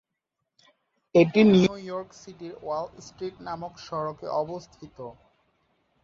এটি New York সিটির Wall Street নামক সড়কে অবস্থিত।